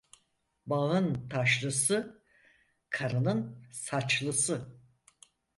Bağın taşlısı, karının saçlısı.